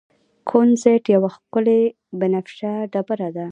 کونزیټ یوه ښکلې بنفشه ډبره ده.